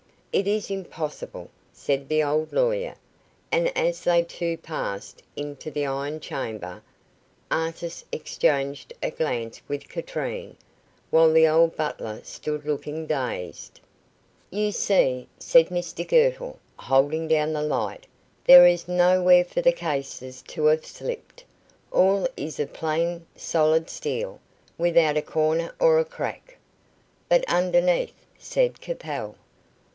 "It is impossible," said the old lawyer; and as they two passed into the iron chamber, Artis exchanged a glance with Katrine, while the old butler stood looking dazed. "You see," said Mr Girtle, holding down the light, "there is nowhere for the cases to have slipped; all is of plain, solid steel, without a corner or crack." "But underneath," said Capel.